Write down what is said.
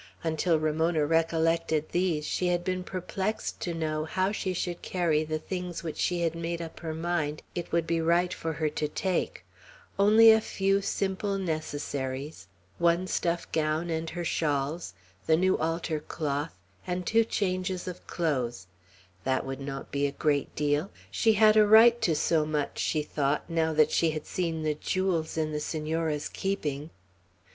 Until Ramona recollected these, she had been perplexed to know how she should carry the things which she had made up her mind it would be right for her to take, only a few; simply necessaries; one stuff gown and her shawls; the new altar cloth, and two changes of clothes; that would not be a great deal; she had a right to so much, she thought, now that she had seen the jewels in the Senora's keeping.